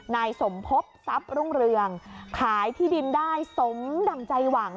นายสมพบทรัพย์รุ่งเรืองขายที่ดินได้สมดั่งใจหวัง